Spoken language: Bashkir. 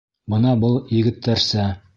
Бына был егеттәрсә!